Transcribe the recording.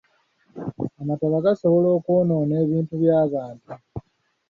Amataba gasobola okwonoona ebintu by'abantu.